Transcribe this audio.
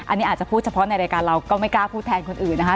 อันนี้อาจจะพูดเฉพาะในรายการเราก็ไม่กล้าพูดแทนคนอื่นนะคะ